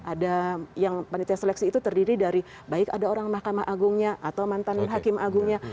ada yang panitia seleksi itu terdiri dari baik ada orang mahkamah agungnya atau mantan hakim agungnya